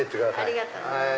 ありがとうございます。